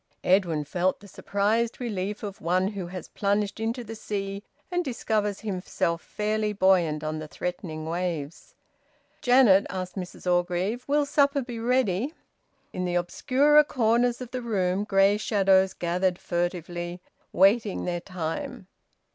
Edwin felt the surprised relief of one who has plunged into the sea and discovers himself fairly buoyant on the threatening waves. "Janet," asked Mrs Orgreave, "will supper be ready?" In the obscurer corners of the room grey shadows gathered furtively, waiting their time.